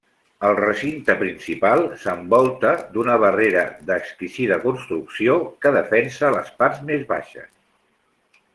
El recinte principal s'envolta d'una barrera d'exquisida construcció que defensa les parts més baixes.